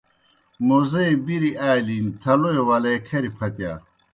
موزے بِریْ آلِن، تھلوئی ولے کھریْ پھتِیا۔